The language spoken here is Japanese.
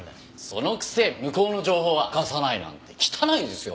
そのくせ向こうの情報は明かさないなんて汚いですよ。